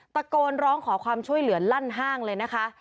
ตะโกนร้องขอความช่วยเหลือลั่นห้างเลยนะคะ